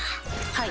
はい。